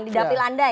di dapil anda ya